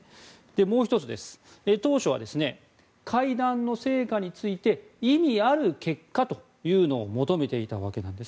もう１つ、当初は会談の成果について意味ある結果というのを求めていたわけです。